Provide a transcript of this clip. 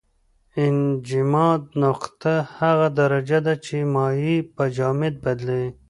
انجماد نقطه هغه درجه ده چې مایع په جامد بدلوي.